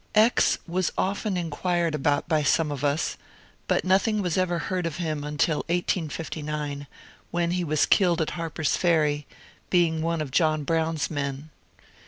X. was often inquired about by some of us, but nothing was ever heard of him until 1859, when he was killed at Harper's Ferry, being one of John Brown's men.